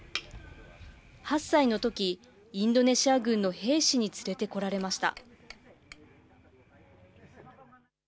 ８歳のとき、インドネシア軍の兵士に連れてこられました。